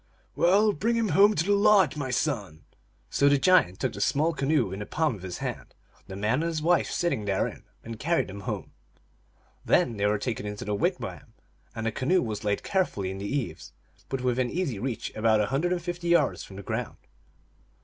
"Well, bring him home to the lodge, my son !" So the giant took the small canoe in the palm of his hand, the man and his wife sitting therein, and carried them home. Then they were taken into the wigwam, and the canoe was laid carefully in the eaves, but within easy reach, about a hundred and fifty yards from the ground.